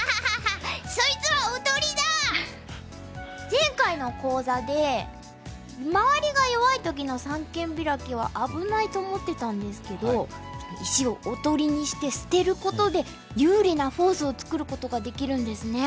前回の講座で周りが弱い時の三間ビラキは危ないと思ってたんですけど石をおとりにして捨てることで有利なフォースを作ることができるんですね。